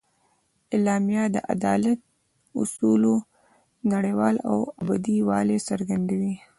اعلامیه د عدالت اصولو نړیوال او ابدي والي څرګندوي.